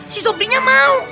si sobrinya mau